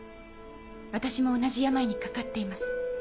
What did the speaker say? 私も同じ病にかかっています。